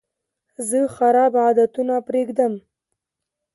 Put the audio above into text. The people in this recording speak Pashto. زه خراب عادتونه پرېږدم.